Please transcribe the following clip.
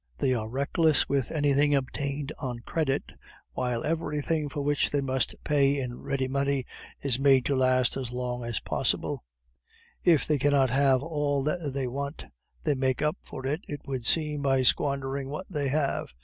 They are reckless with anything obtained on credit, while everything for which they must pay in ready money is made to last as long as possible; if they cannot have all that they want, they make up for it, it would seem, by squandering what they have.